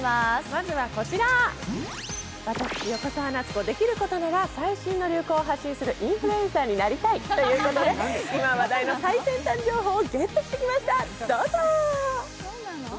まずはこちら、私、横澤夏子、できることなら最新の流行を発信するインフルエンサーになりたいということで今話題の最先端情報をゲットしてきました、どうぞ。